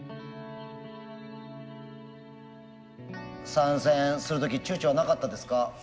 参戦する時ちゅうちょはなかったですか？